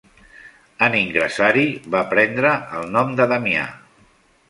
En ingressar-hi, va prendre el nom de Damià.